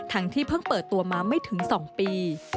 ที่เพิ่งเปิดตัวมาไม่ถึง๒ปี